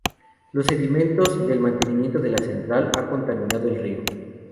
Los sedimentos del mantenimiento de la central ha contaminado el río.